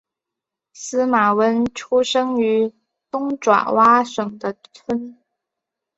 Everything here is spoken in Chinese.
司马温出生于东爪哇省的村。